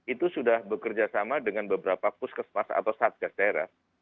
itu sudah bekerja sama dengan beberapa puskesmas atau satgas daerah